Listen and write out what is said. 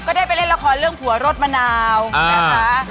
ได้ไปเล่นละครเรื่องผัวรถมะนาวนะคะ